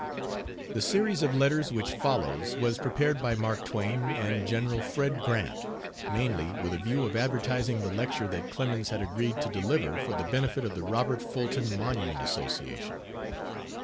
The series of letters which follows was prepared by Mark Twain and General Fred Grant, mainly with a view of advertising the lecture that Clemens had agreed to deliver for the benefit of the Robert Fulton Monument Association.